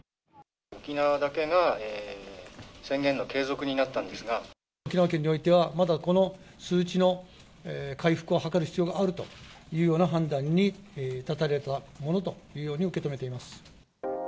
沖縄だけが宣言の継続になっ沖縄県においては、まだこの数値の回復を図る必要があるというような判断に立たれたものというように受け止めています。